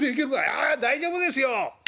「ああ大丈夫ですよ！